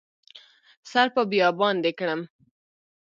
سر په بیابان دې کړم